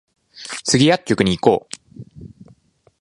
スギ薬局に行こう